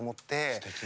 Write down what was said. すてきね。